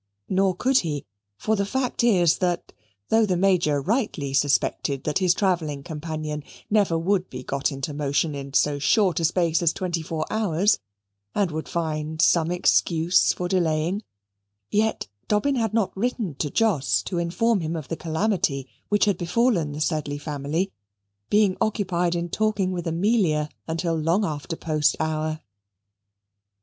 Nor could he, for the fact is that, though the Major rightly suspected that his travelling companion never would be got into motion in so short a space as twenty four hours, and would find some excuse for delaying, yet Dobbin had not written to Jos to inform him of the calamity which had befallen the Sedley family, being occupied in talking with Amelia until long after post hour.